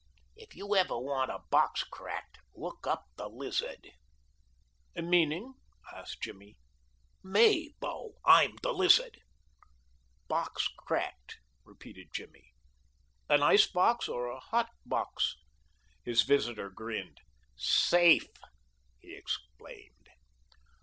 "If you ever want a box cracked, look up the Lizard." "Meaning?" asked Jimmy. "Me, bo, I'm the Lizard." "Box cracked?" repeated Jimmy. "An ice box or a hot box?" His visitor grinned. "Safe," he explained.